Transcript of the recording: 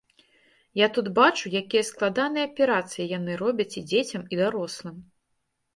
Я тут бачу, якія складаныя аперацыі яны робяць і дзецям, і дарослым.